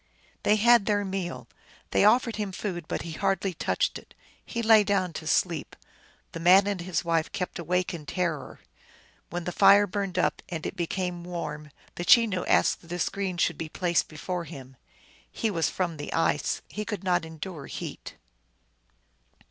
They had their meal; they offered him food, but he hardly touched it. He lay down to sleep. The man and his wife kept awake in terror. When the fire burned up, and it became warm, the Chenoo asked that a screen should be placed befure him. He was from the ice ; he could not endure heat.